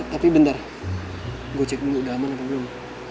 tapi bentar gue cek dulu udah aman apa belum